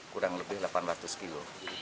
kurang lebih delapan ratus kilo